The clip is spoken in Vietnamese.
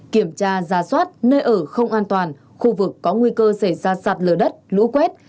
kiểm tra ra soát nơi ở không an toàn khu vực có nguy cơ xảy ra sạt lở đất lũ quét